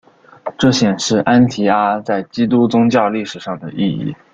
这显示安提阿在基督宗教历史上的意义。